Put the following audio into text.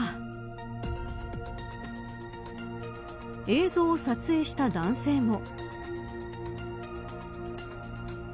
映像を撮影した男性も。